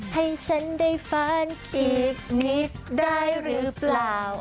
ให้ฉันได้ฟานอีกนิดได้หรือเปล่า